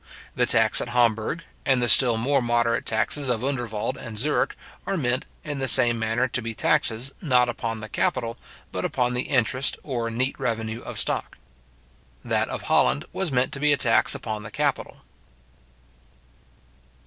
The tax at Hamburg, and the still more moderate taxes of Underwald and Zurich, are meant, in the same manner, to be taxes, not upon the capital, but upon the interest or neat revenue of stock. That of Holland was meant to be a tax upon the capital.